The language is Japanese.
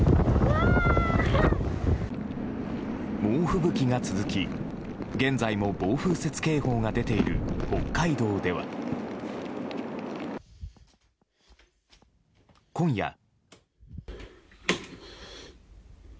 猛吹雪が続き現在も暴風雪警報が出ている北海道では今夜。